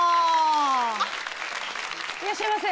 あっいらっしゃいませ！